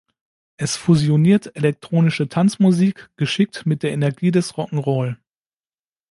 Es "„fusioniert elektronische Tanzmusik geschickt mit der Energie des Rock 'n' Roll“".